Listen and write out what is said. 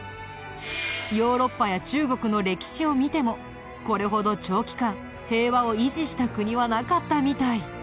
ヨーロッパや中国の歴史を見てもこれほど長期間平和を維持した国はなかったみたい。